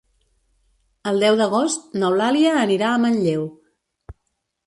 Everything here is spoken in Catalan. El deu d'agost n'Eulàlia anirà a Manlleu.